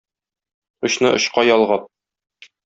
Очны-очка ялгап.